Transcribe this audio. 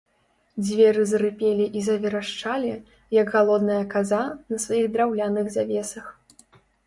Дзверы зарыпелі і заверашчалі, як галодная каза, на сваіх драўляных завесах.